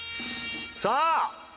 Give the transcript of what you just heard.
さあ。